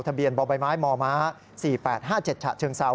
เบียบ่อใบไม้มม๔๘๕๗ฉะเชิงเซา